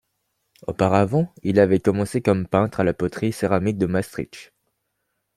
Auparavant, il avait commencé comme peintre à la poterie Céramique de Maastricht.